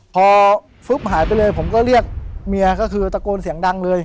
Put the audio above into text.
พอฟึ๊บหายไปเลยผมก็เรียกเมียก็คือตะโกนเสียงดังเลย